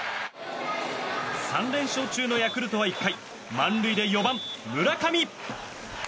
３連勝中のヤクルトは１回満塁で４番、村上。